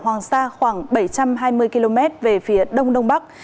hoàng sa khoảng bảy trăm hai mươi km về phía đông đông bắc